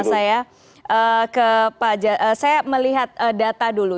saya melihat data dulu